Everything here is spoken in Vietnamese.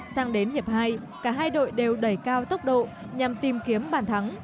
sang đến hiệp hai cả hai đội đều đẩy cao tốc độ nhằm tìm kiếm bàn thắng